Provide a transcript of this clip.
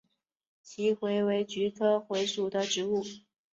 奇蒿为菊科蒿属的植物。